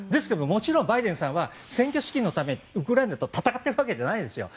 もちろんバイデンさんは選挙資金のためにウクライナと戦っているわけではないですよ。